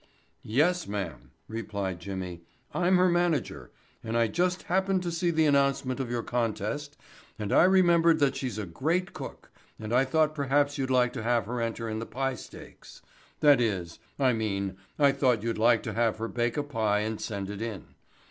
"Yes, m'am," replied Jimmy. "I'm her manager and I just happened to see the announcement of your contest and I remembered that she's a great cook and I thought perhaps you'd like to have her enter in the pie stakes—that is, I mean I thought you'd like to have her bake a pie and send it in.